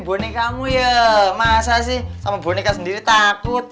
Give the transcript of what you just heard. oh kau jadi seperti pokok loh